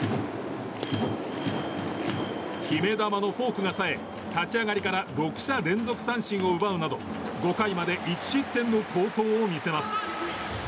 決め球のフォークがさえ立ち上がりから６者連続三振を奪うなど、５回まで１失点の好投を見せます。